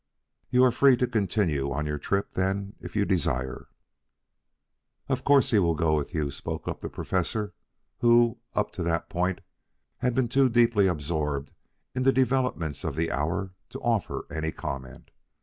You are free to continue on your trip then, if you desire." "Of course he will go with you," spoke up the Professor, who, up to that point, had been too deeply absorbed in the developments of the hour to offer any comment.